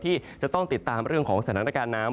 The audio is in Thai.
ที่จะต้องติดตามเรื่องของวุฒนนัตรการน้ำ